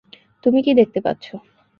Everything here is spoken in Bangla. তুমি কী দেখতে পাচ্ছ?